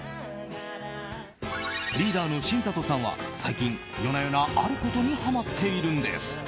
リーダーの新里さんは最近夜な夜なあることにハマっているんです。